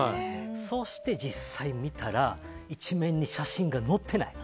そして実際見たら１面に写真が載ってない。